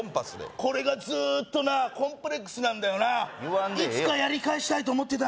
これがずっとなコンプレックスなんだよな言わんでええやん